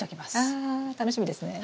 あ楽しみですね！